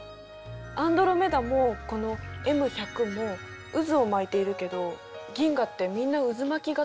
アンドロメダもこのＭ１００も渦を巻いているけど銀河ってみんな渦巻き型なの？